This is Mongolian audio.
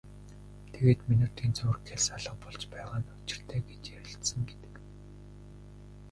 Тэгээд минутын зуур гялс алга болж байгаа нь учиртай гэж ярилцсан гэдэг.